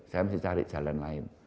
saya mesti cari jalan lain